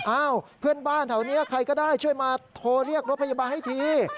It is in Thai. อ้าวเพื่อนบ้านแถวนี้ใครก็ได้ช่วยมาโทรเรียกรถพยาบาลให้ที